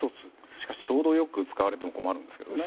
しかしちょうどよく使われても困るんですよね。